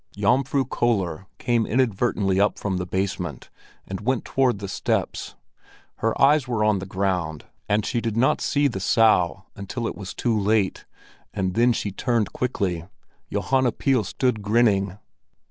Jomfru Köller came inadvertently up from the basement, and went toward the steps; her eyes were on the ground, and she did not see the Sow until it was too late, and then she turned quickly. Johanna Pihl stood grinning.